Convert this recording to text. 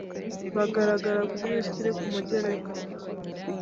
bagaragara kuri liste iri ku mugereka